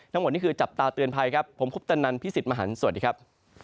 ทั้งหมดนี่คือจับตาเตือนภัยครับผมคุปตนันพี่สิทธิ์มหันฯสวัสดีครับ